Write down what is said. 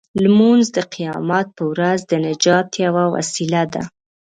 لمونځ د قیامت په ورځ د نجات یوه وسیله ده.